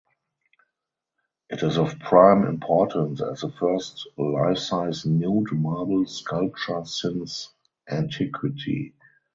It is of prime importance as the first lifesize nude marble sculpture since antiquity.